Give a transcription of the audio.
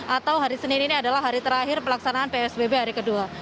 atau hari senin ini adalah hari terakhir pelaksanaan psbb hari kedua